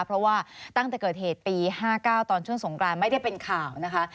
เพราะว่าตั้งแต่เกิดเหตุปี๕๙ตอนช่วงสงกรานไม่ได้เป็นข่าวนะคะ